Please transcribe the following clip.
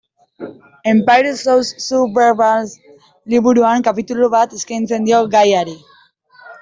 Empire sous Surveillance liburuan kapitulu bat eskaintzen dio gaiari.